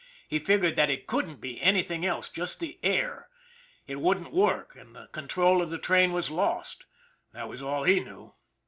He figured that it couldn't be anything else just the " air " it wouldn't work and the con trol of the train was lost. That was all he knew.